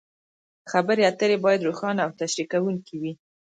خبرې اترې باید روښانه او تشریح کوونکې وي.